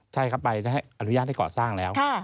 ใช่ครับใบอนุญาตให้ก่อสร้างแล้ว